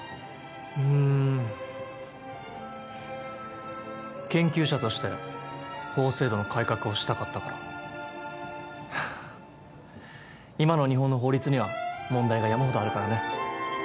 うん研究者として法制度の改革をしたかったから今の日本の法律には問題が山ほどあるからね